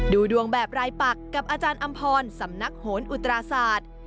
ดูดวงแบบรายปักกับอาจารย์อำพรสำนักโหนอุตราศาสตร์